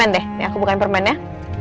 udah dibukain nih